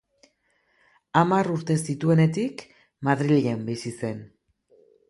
Hamar urte zituenetik Madrilen bizi zen.